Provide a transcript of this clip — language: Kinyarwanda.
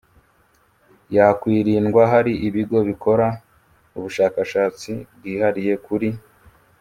yakwirindwa hari ibigo bikora ubushakashatsi bwihariye kuri